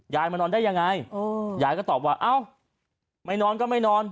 มานอนได้ยังไงยายก็ตอบว่าเอ้าไม่นอนก็ไม่นอน